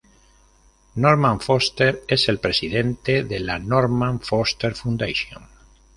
Norman Foster es el Presidente de la Norman Foster Foundation.